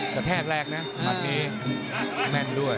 กระแทกแรกนะมันมีแม่นด้วย